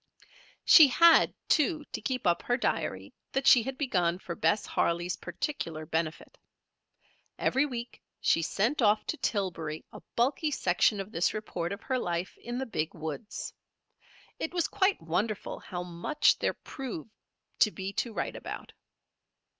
She had, too, to keep up her diary that she had begun for Bess Harley's particular benefit. Every week she sent off to Tillbury a bulky section of this report of her life in the Big woods. It was quite wonderful how much there proved to be to write about.